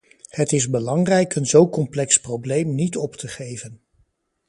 Het is belangrijk om een zo complex probleem niet op te geven.